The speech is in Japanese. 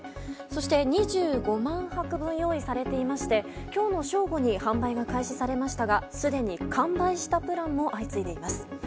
そして、２５万泊分用意されていまして今日の正午に販売が開始されましたがすでに完売したプランも相次いでいます。